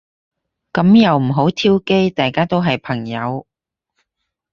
噉又唔好挑機。大家都係朋友